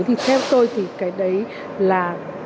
thì theo tôi thì cái đấy là